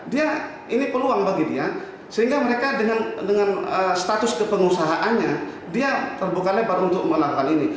dia ini peluang bagi dia sehingga mereka dengan status kepengusahaannya dia terbuka lebar untuk melakukan ini